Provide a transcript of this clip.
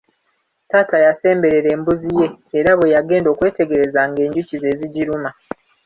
Taata yasemberera embuzi ye era bwe yagenda okwetegereza nga njuki z'ezigiruma.